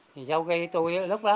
thì sau khi tôi lúc đó